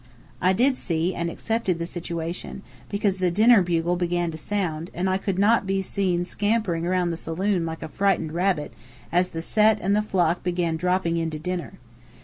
I did see; and accepted the situation, because the dinner bugle began to sound, and I could not be scampering round the saloon like a frightened rabbit as the Set and the Flock began dropping in to dinner.